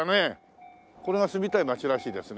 これが住みたい街らしいですね。